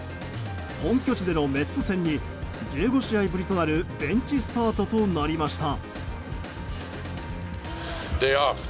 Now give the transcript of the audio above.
本拠地でのメッツ戦に１５試合ぶりとなるベンチスタートとなりました。